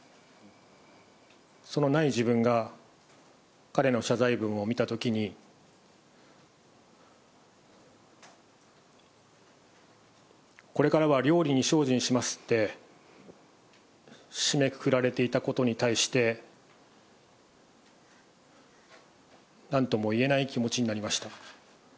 そのない自分が、彼の謝罪文を見たときに、これからは料理に精進しますって締めくくられていたことに対して、なんとも言えない気持ちになりました。